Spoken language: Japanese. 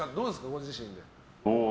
ご自身で。